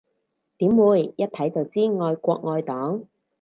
點會，一睇就知愛國愛黨